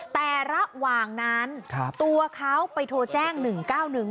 แต่ระหว่างนั้นตัวเขาไปโทรแจ้ง๑๙๑